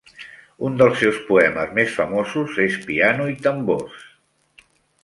Un dels seus poemes més famosos és "Piano i Tambors".